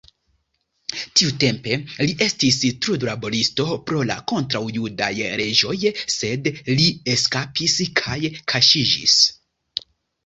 Tiutempe li estis trudlaboristo pro la kontraŭjudaj leĝoj, sed li eskapis kaj kaŝiĝis.